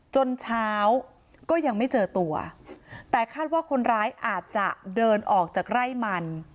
จนเช้าก็ยังไม่เจอตัวแต่คาดว่าคนร้ายอาจจะเดินออกจากไร่มัน